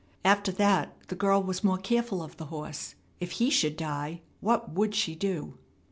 After that the girl was more careful of the horse. If he should die, what would she do?